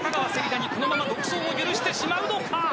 なにこのまま独走を許してしまうのか？